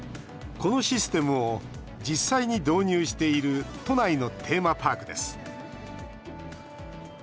このシステムを実際に導入している都内のテーマパークです。